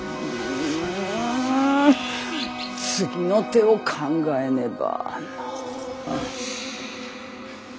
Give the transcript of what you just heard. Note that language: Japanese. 次の手を考えねば。